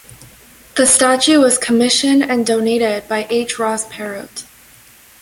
The statue was commissioned and donated by H. Ross Perot.